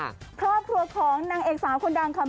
ครอบครัวของนางเอกสาวคนดังค่ะ